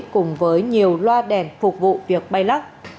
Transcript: cùng với nhiều loa đèn phục vụ việc bay lắc